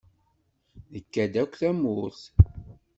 Nekka-d akk tamurt.